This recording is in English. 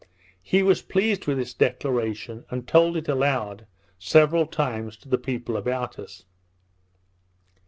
He was pleased with this declaration, and told it aloud, several times, to the people about us.